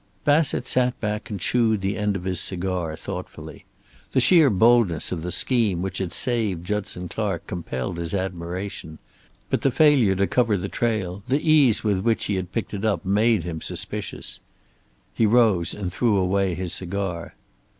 Bassett sat back and chewed the end of his cigar thoughtfully. The sheer boldness of the scheme which had saved Judson Clark compelled his admiration, but the failure to cover the trail, the ease with which he had picked it up, made him suspicious. He rose and threw away his cigar.